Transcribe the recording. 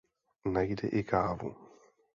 Najde i kávu.